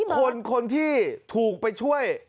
คนที่ถูกไปช่วย